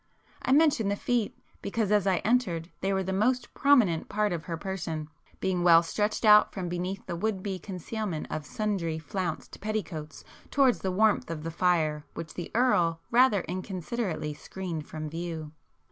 I mention the feet, because as I entered they were the most prominent part of her person, being well stretched out from beneath the would be concealment of sundry flounced petticoats towards the warmth of the fire which the Earl rather inconsiderately screened from view.